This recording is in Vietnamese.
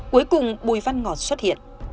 cuối cùng bùi văn ngọt xuất hiện